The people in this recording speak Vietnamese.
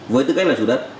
với tư cách là chủ đất